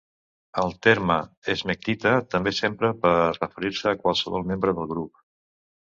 El terme esmectita també s'empra per referir-se a qualsevol membre del grup.